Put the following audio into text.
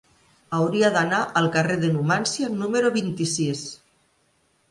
Hauria d'anar al carrer de Numància número vint-i-sis.